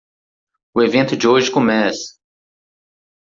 O evento de hoje começa!